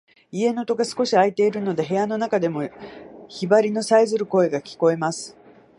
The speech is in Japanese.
家の戸が少し開いているので、部屋の中でもヒバリのさえずる声が聞こえます。